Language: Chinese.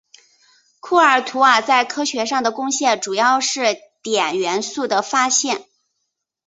库尔图瓦在科学上的贡献主要是碘元素的发现。